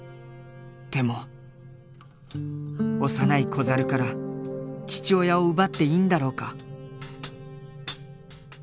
でも幼い子猿から父親を奪っていいんだろうか。